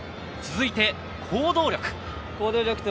続いて「考動力」。